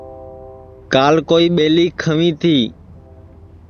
کال کوئی ٻیݪی کھنٚوی تی